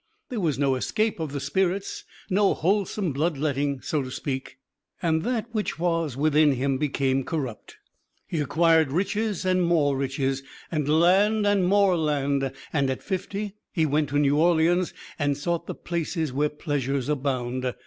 There was no escape of the spirits, no wholesome blood letting, so to speak, and that which was within him became corrupt. He acquired riches and more riches, and land and more land, and at fifty he went to New Orleans, and sought the places where pleasures abound.